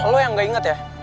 lo yang gak inget ya